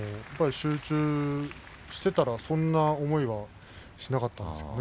集中していたら、そんな思いはしなかったですね。